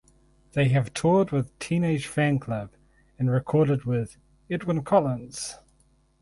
They have toured with Teenage Fanclub and recorded with Edwyn Collins.